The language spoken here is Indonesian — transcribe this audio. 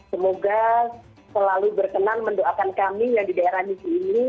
semoga selalu berkenan mendoakan kami yang di daerah indonesia